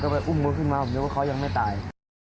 อ๋อก็ไปอุ้มเขาขึ้นมาเดี๋ยวเขายังไม่ตาย